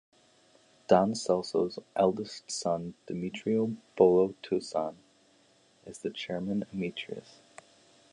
Don Celso's eldest son Demetrio "Bolo" Tuason is the Chairman Emeritus.